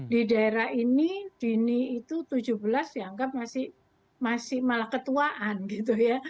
di daerah ini dini itu tujuh belas dianggap masih malah ketuaan gitu ya